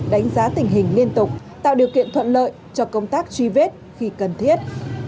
đánh giá tình hình liên tục tạo điều kiện thuận lợi cho công tác truy vết khi cần thiết